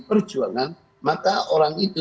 perjuangan maka orang itu